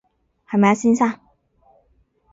係咪啊，先生